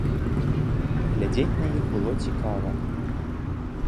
Глядзець на іх было цікава.